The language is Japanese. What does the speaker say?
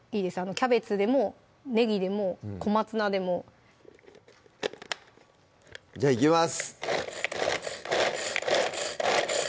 キャベツでもねぎでも小松菜でもじゃいきます